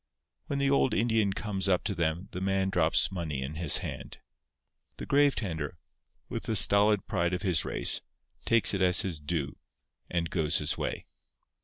When the old Indian comes up to them the man drops money in his hand. The grave tender, with the stolid pride of his race, takes it as his due, and goes his way.